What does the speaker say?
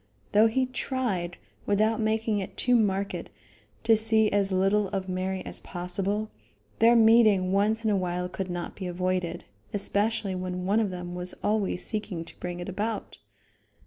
Though he tried, without making it too marked, to see as little of Mary as possible, their meeting once in a while could not be avoided, especially when one of them was always seeking to bring it about.